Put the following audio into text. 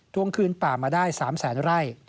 วงคืนป่ามาได้๓แสนไร่